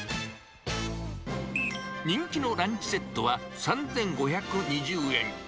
人気のランチセットは３５２０円。